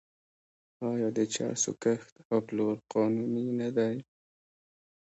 آیا د چرسو کښت او پلور قانوني نه دی؟